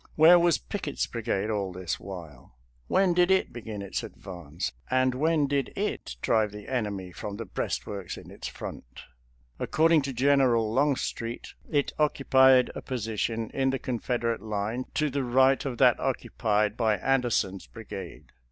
Where was Pickett's brigade all this while; when did it begin its advance, and when did it drive the enemy from the breastworks in its front? According to General Longstreet, it oc cupied a position in the Confederate line to the FOURTH TEXAS AT GAINES' MILLS 303 right of that occupied by Anderson's brigade.